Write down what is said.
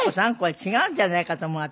違うんじゃないかと思う私。